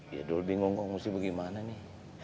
ya dulu bingung kok mesti bagaimana nih